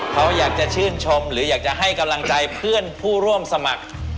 เขาอยากจะชื่นชมหรืออยากจะให้กำลังใจเพื่อนผู้ร่วมสมัคร